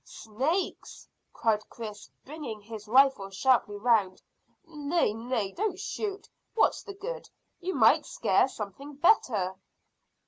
"Snakes!" cried Chris, bringing his rifle sharply round. "Nay, nay, don't shoot. What's the good? You might scare something better."